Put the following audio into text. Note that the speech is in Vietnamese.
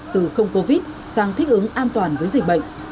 từ không covid sang thích ứng an toàn với dịch bệnh